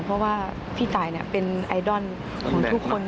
เพราะว่าพี่ตายเป็นไอดอลของทุกคน